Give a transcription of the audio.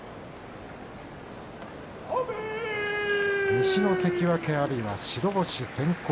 西の関脇阿炎は白星先行。